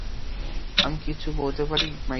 আমি কি কিছু বলতে পারি, মাইথিলি?